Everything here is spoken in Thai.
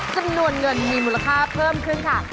จำนวนเงินมีมูลค่าเพิ่มขึ้นค่ะ